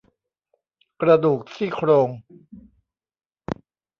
กระดูกซี่โครง